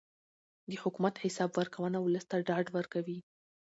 د حکومت حساب ورکونه ولس ته ډاډ ورکوي